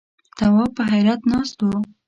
تواب په حيرت ناست و.